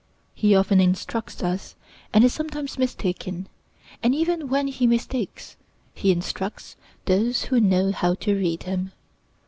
He often instructs us, and is sometimes mistaken; and even when he mistakes, he instructs those who know how to read him.